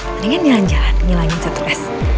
mendingan nyilan jalan nyilangin satu res